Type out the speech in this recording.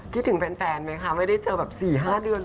คิดถึงแฟนไหมคะไม่ได้เจอแบบ๔๕เดือน